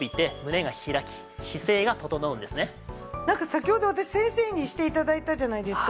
先ほど私先生にして頂いたじゃないですか。